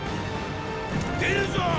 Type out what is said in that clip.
出るぞォ！！